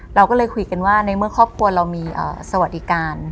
เราก็เลยคุยกันว่าในเมื่อครอบครัวเรามีสวัสดิการ